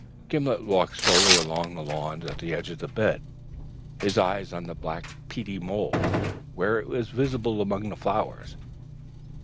Gimblet walked slowly along the lawn at the edge of the bed, his eyes on the black peaty mould, where it was visible among the flowers.